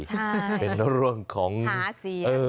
ใช่เป็นร่วมของหาเสียง